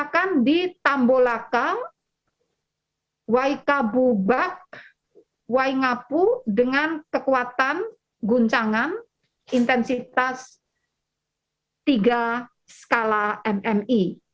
bahkan di tambolaka waikabubak waingapu dengan kekuatan guncangan intensitas tiga skala mmi